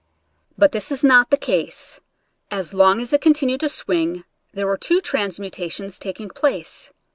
But this is not the case. As long as it continued to swing there were two transmutations taking place.